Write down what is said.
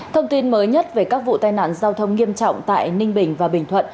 thông tin mới nhất về các vụ tai nạn giao thông nghiêm trọng tại ninh bình và bình thuận